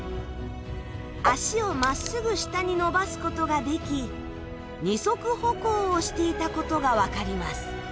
あしを真っ直ぐ下に伸ばすことができ二足歩行をしていたことがわかります。